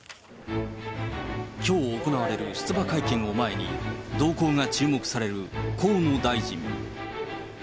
きょう行われる出馬会見を前に、動向が注目される河野大臣。